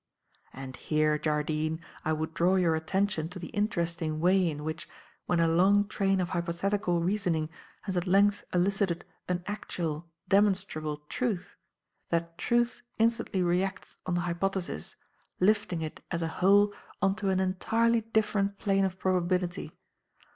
"And here, Jardine, I would draw your attention to the interesting way in which, when a long train of hypothetical reasoning has at length elicited an actual, demonstrable truth, that truth instantly reacts on the hypothesis, lifting it as a whole on to an entirely different plane of probability.